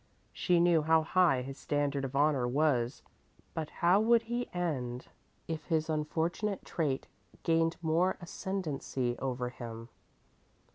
She knew how high his standard of honor was, but how would he end if his unfortunate trait gained more ascendancy over him?